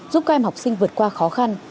giúp các em học sinh vượt qua khó khăn